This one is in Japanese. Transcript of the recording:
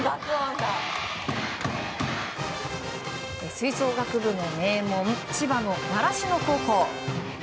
吹奏楽部の名門千葉の習志野高校。